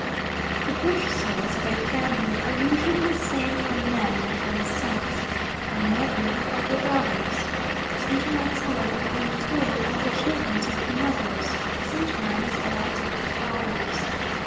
The bush souls of a family are usually the same for a man and for his sons, for a mother and for her daughters. Sometimes, however, I am told all the children take the mother's, sometimes all take the father's.